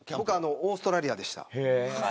オーストラリアでした。